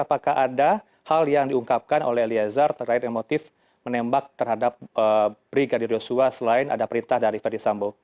apakah ada hal yang diungkapkan oleh eliezer terkait emotif menembak terhadap brigadir joshua selain ada perintah dari fadisambo